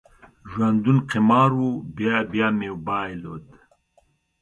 ژوندون قمار و، بیا بیا مې بایلود